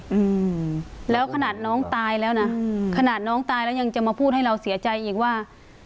อืมแล้วขนาดน้องตายแล้วนะอืมขนาดน้องตายแล้วยังจะมาพูดให้เราเสียใจอีกว่า